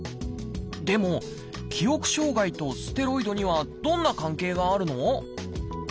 でも記憶障害とステロイドにはどんな関係があるの？